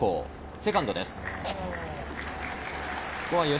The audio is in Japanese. セカンドです。